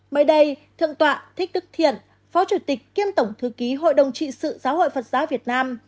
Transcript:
mới đây thượng tọa thích đức thiện phó chủ tịch kiêm tổng thư ký hội đồng trị sự giáo hội phật giáo việt nam